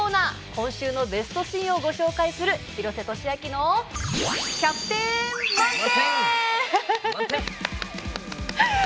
今週のベストシーンをご紹介する「廣瀬俊朗のキャプテン満点」。